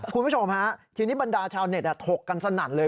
คุณผู้ชมฮะทีนี้บรรดาชาวเน็ตถกกันสนั่นเลย